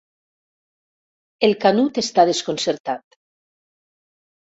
El Canut està desconcertat.